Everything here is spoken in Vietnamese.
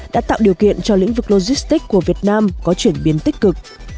đã tạo điều kiện cho lĩnh vực logistics của việt nam có chuyển biến tích cực